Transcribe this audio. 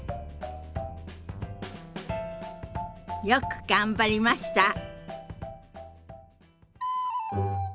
よく頑張りました！